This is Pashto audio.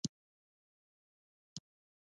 سلام جان په غاښچيچي ور وکتل.